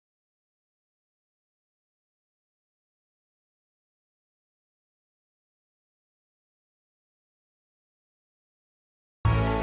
sekarang dia masih sakit